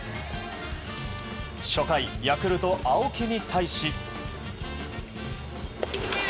初回ヤクルト、青木に対し。